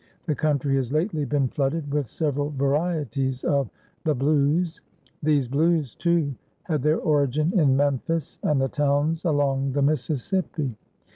The country has lately been flooded with several varieties of "The Blues." These "Blues," too, had their origin in Memphis, and the towns along the Mississippi.